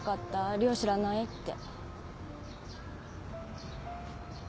涼知らない？って。